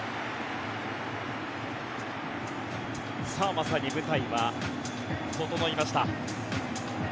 まさに舞台は整いました。